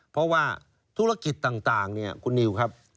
เพราะว่าธุรกิจต่างเนี่ยคุณนิวครับ